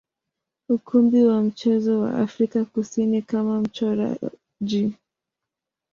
ukumbi wa michezo wa Afrika Kusini kama mchoraji.